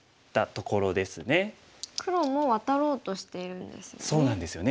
黒もワタろうとしているんですよね。